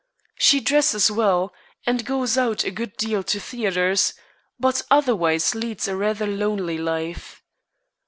She dresses well, and goes out a good deal to theatres, but otherwise leads a rather lonely life.